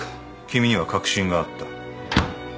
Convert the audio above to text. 君には確信があった。